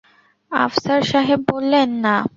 আফসার সাহেব বললেন, না।